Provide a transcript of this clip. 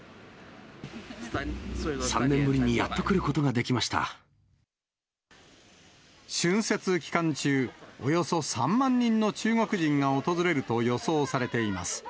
３年ぶりにやっと来ることが春節期間中、およそ３万人の中国人が訪れると予想されています。